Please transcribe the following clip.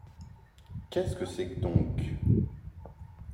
Qu’est-ce que c’est donc ?